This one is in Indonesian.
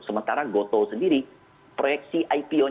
sementara goto sendiri proyeksi ipo nya itu ada